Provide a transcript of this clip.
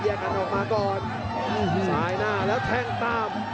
กันออกมาก่อนซ้ายหน้าแล้วแข้งตาม